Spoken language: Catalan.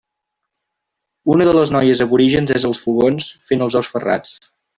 Una de les noies aborígens és als fogons fent els ous ferrats.